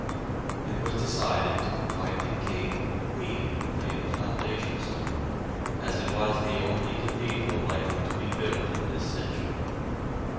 It was decided to invite the King and Queen to lay the foundation stone, as it was the only cathedral likely to be built in this century.